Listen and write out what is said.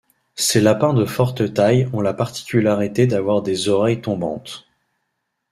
Ces lapins de forte taille ont la particularité d'avoir des oreilles tombantes.